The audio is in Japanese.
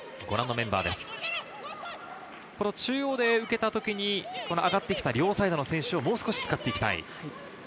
中央で受けたときに上がってきた両サイドの選手をもう少し使っていきたい。